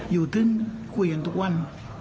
อยู่ขึ้นคุยกันทุกวัน